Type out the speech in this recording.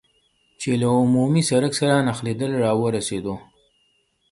چې له عمومي سړک سره نښلېدل را ورسېدو.